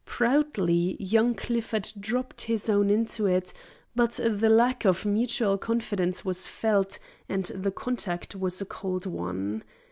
Proudly young Clifford dropped his own into it; but the lack of mutual confidence was felt and the contact was a cold one.